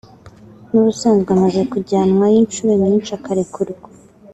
n’ubusanzwe amaze kujyanwayo inshuro nyinshi akarekurwa